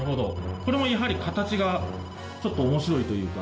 これもやはり形がちょっと面白いというか。